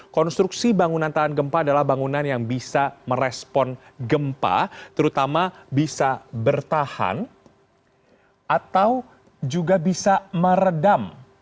konstruksi bangunan tahan gempa adalah bangunan yang bisa merespon gempa terutama bisa bertahan atau juga bisa meredam